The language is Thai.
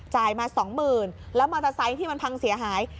จ่ายมา๒๐๐๐๐บาทแล้วมอเตอร์ไซค์ที่มันพังเสียหาย